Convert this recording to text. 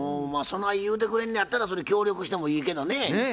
まあそない言うてくれんのやったらそれ協力してもいいけどね。